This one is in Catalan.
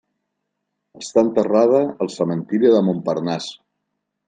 Està enterrada al cementiri de Montparnasse.